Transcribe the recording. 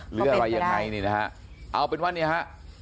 หรืออะไรยังไงนี่นะฮะเอาเป็นว่าเนี่ยฮะ